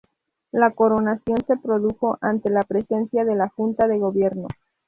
La coronación se produjo ante la presencia de la Junta de Gobierno.